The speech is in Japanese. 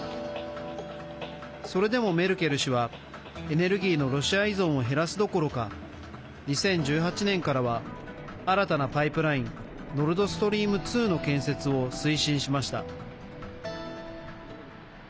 それでもメルケル氏はエネルギーのロシア依存を減らすどころか２０１８年からは新たなパイプラインノルドストリーム２の建設を推進しました。